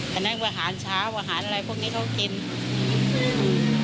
กลายมาแบบอาหารเช้าอาหารอะไรพวกนี้เขากินนึง